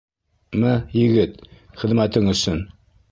— Мә, егет, хеҙмәтең өсөн!..